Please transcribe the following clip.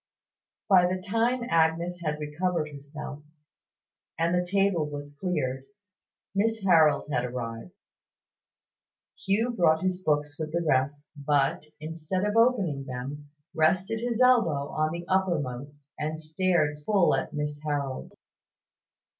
By the time Agnes had recovered herself, and the table was cleared, Miss Harold had arrived. Hugh brought his books with the rest, but, instead of opening them, rested his elbow on the uppermost, and stared full at Miss Harold.